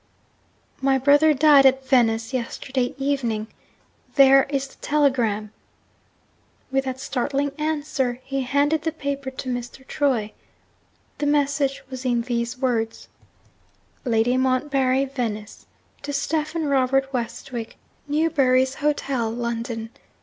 'My brother died at Venice yesterday evening. There is the telegram.' With that startling answer, he handed the paper to Mr. Troy. The message was in these words: 'Lady Montbarry, Venice. To Stephen Robert Westwick, Newbury's Hotel, London.